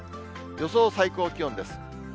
予想最高気温です。